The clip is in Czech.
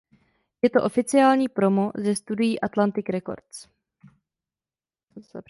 Je to oficiální promo ze studií Atlantic Records.